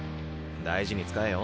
大事に使えよ。